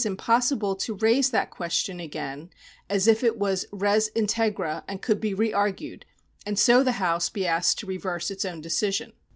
§ G4] PRECEDENT 1C5 impossible to raise that question again as if it was res Integra and could bo re argued, and so the House be asked to reverse its own decision."